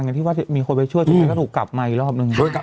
ฉันก็คิดว่ามีคนไปช่วยทีนึงก็ถูกกลับมาอีกรอบหนึ่ง